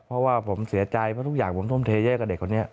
เพราะว่าผมเสียใจเพราะทุกอย่างผมทุ่มเทเยอะกับเด็กคนนี้